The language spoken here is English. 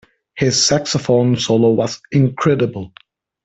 His saxophone solo was incredible.